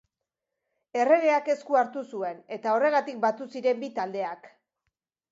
Erregeak esku hartu zuen, eta horregatik batu ziren bi taldeak.